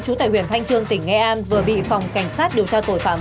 chú tài huyền thanh trương tỉnh nghệ an vừa bị phòng cảnh sát điều tra tội phạm